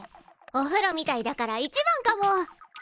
おふろみたいだから①番かも！